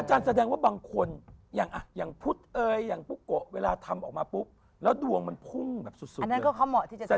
อาจารย์แสดงว่าบางคน